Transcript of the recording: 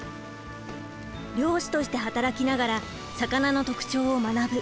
漁師として働きながら魚の特徴を学ぶ。